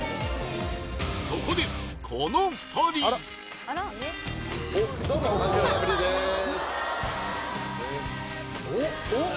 そこでこの２人おっおっ！